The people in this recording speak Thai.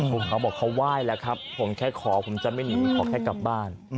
ผมเขาบอกเขาไหว้แล้วครับผมแค่ขอผมจะไม่หนีขอแค่กลับบ้าน